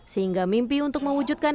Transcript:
sehingga mimpi untuk memulai program ini